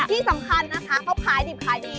ที่สำคัญนะคะเขาขายดิบขายดี